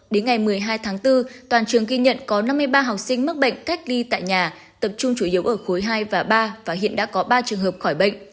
đến ngày một mươi hai tháng bốn toàn trường ghi nhận có năm mươi ba học sinh mắc bệnh cách ly tại nhà tập trung chủ yếu ở khối hai và ba và hiện đã có ba trường hợp khỏi bệnh